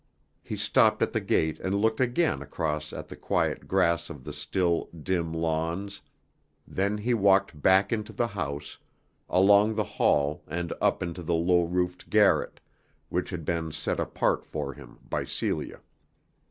He stopped at the gate and looked again across at the quiet grass of the still, dim lawns, then he walked back into the house, along the hall and up into the low roofed garret, which had been set apart for him by Celia.